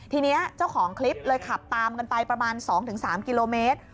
ทีนี้เจ้าของคลิปเลยขับตามกันไปประมาณ๒๓กิโลเมตร